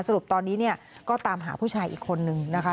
สรุปตอนนี้เนี่ยก็ตามหาผู้ชายอีกคนนึงนะคะ